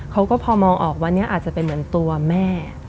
เขาก็พอมองออกวันนี้อาจจะเป็นเหมือนตัวแม่